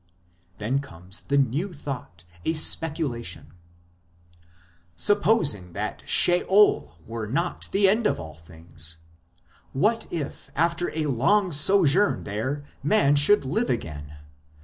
Then comes the new thought, a speculation: "Supposing that Sheol were not the end of all things ! What if after a long sojourn there man should live again